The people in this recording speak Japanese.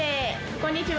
こんにちは。